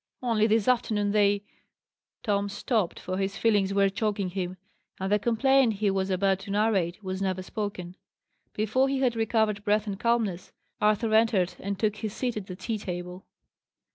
Only this afternoon they " Tom stopped, for his feelings were choking him; and the complaint he was about to narrate was never spoken. Before he had recovered breath and calmness, Arthur entered and took his seat at the tea table.